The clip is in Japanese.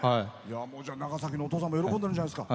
長崎のお父さんも喜んでるんじゃないですか。